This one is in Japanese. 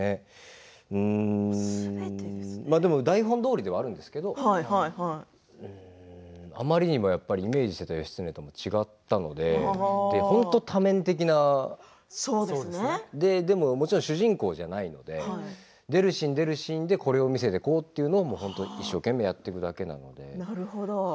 でも台本どおりではあるんですけれどあまりにもイメージしていた義経と違ったので本当に多面的なもちろん主人公じゃないので出るシーン出るシーンでこれを見せていこうというのを一生懸命やっていただけなんです。